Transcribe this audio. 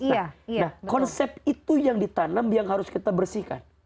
nah konsep itu yang ditanam yang harus kita bersihkan